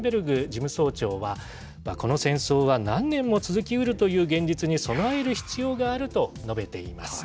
事務総長は、この戦争は何年も続きうるという現実に備える必要があると述べています。